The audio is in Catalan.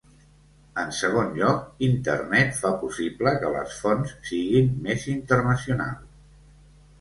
En segon lloc, Internet fa possible que les fonts siguin més internacionals.